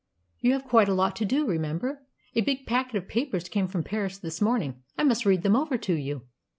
"You have quite a lot to do, remember. A big packet of papers came from Paris this morning. I must read them over to you."